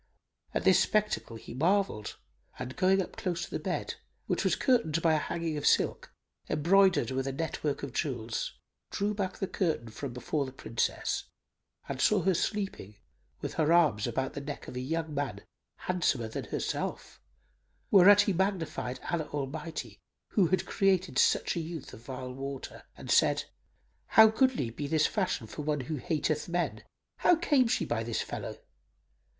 At this spectacle he marvelled and going close up to the bed, which was curtained by a hanging of silk, embroidered with a net work of jewels, drew back the curtain from before the Princess and saw her sleeping with her arms about the neck of a young man handsomer than herself; whereat he magnified Allah Almighty, who had created such a youth of vile water, and said, "How goodly be this fashion for one who hateth men! How came she by this fellow?